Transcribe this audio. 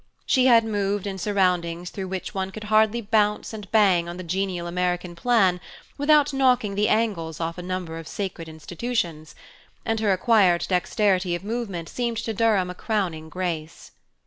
She had moved in surroundings through which one could hardly bounce and bang on the genial American plan without knocking the angles off a number of sacred institutions; and her acquired dexterity of movement seemed to Durham a crowning grace.